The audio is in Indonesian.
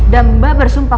dan mbak bersumpah